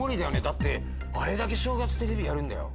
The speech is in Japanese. だってあれだけ正月テレビでやるんだよ？